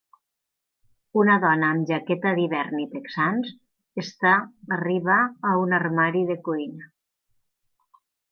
Una dona amb jaqueta d'hivern i texans està arriba a un armari de cuina.